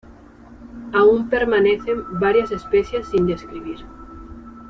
Aún permanecen varias especies sin describir.